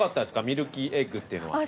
ミルキーエッグっていうのは。